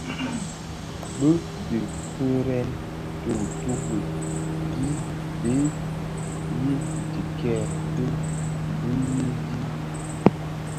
Bi difeërèn tuutubi di bhee yi dhikèè dhi diifuyi di.